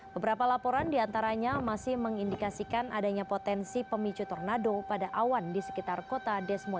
beberapa laporan diantaranya masih mengindikasikan adanya potensi pemicu tornado pada awan di sekitar kota desmo